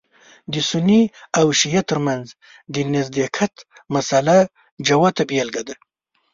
د سني او شعیه تر منځ د نزدېکت مسأله جوته بېلګه ده.